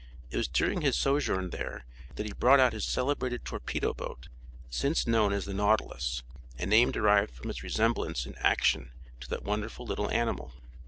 It was during his sojourn there that he brought out his celebrated torpedo boat, since known as the Nautilus, a name derived from its resemblance in action to that wonderful little animal.